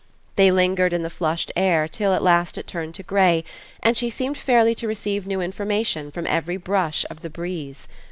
They lingered in the flushed air till at last it turned to grey and she seemed fairly to receive new information from every brush of the breeze.